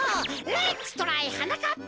レッツトライはなかっぱ！